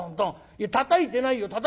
「たたいてないよ。